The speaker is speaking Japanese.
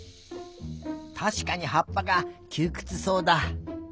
たしかにはっぱがきゅうくつそうだ。